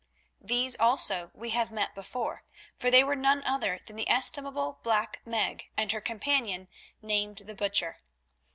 These also we have met before, for they were none other than the estimable Black Meg and her companion, named the Butcher.